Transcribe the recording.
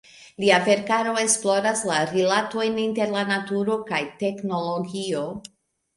Lia verkaro esploras la rilatojn inter la naturo kaj teknologio.